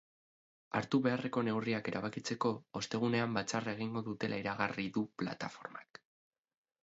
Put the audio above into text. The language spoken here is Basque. Hartu beharreko neurriak erabakitzeko, ostegunean batzarra egingo dutela iragarri du plataformak.